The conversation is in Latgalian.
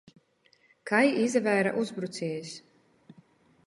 Kai izavēre uzbruciejs?